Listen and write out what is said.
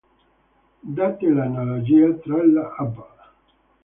Date le analogie tra la up!